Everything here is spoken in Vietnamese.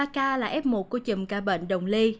ba ca là f một của chùm ca bệnh đồng ly